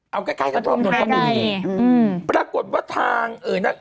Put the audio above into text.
เอาใกล้ไปก่อนประกอบว่าทาง